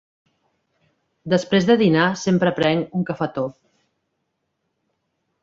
Després de dinar sempre prenc un cafetó.